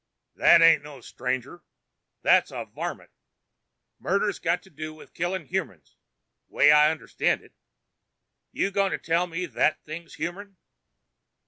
"That ain't no stranger. That's a varmint. Murder's got to do with killin' humerns, way I understand it. You goin' to tell me that thing's humern?"